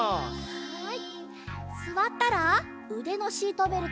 はい！